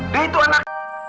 dan itu anak